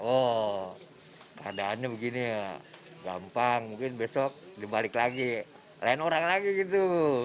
oh keadaannya begini ya gampang mungkin besok dibalik lagi lain orang lagi gitu